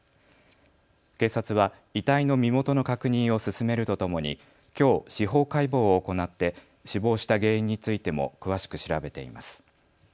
警察は遺体の身元の確認を進めるとともにきょう司法解剖を行って死亡した原因についても詳しく調べています。